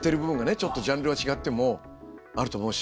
ちょっとジャンルは違ってもあると思うし。